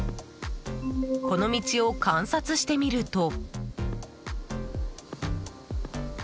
この道を観察してみると。